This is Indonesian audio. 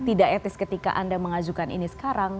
tidak etis ketika anda mengajukan ini sekarang